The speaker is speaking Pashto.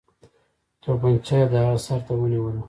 توپنچه یې د هغه سر ته ونیوله.